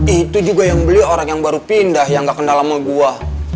itu juga yang beli orang yang baru pindah yang gak kenal sama gue